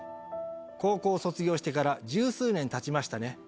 高校卒業してから十数年たちましたね。